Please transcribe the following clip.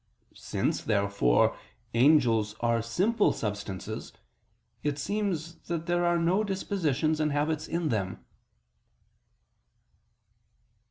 Since, therefore, angels are simple substances, it seems that there are no dispositions and habits in them.